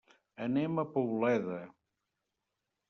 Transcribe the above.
Anem a Poboleda.